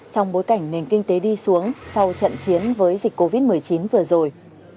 trong bối cảnh nền kinh tế đi xuống sau trận chiến với dịch covid một mươi chín vừa rồi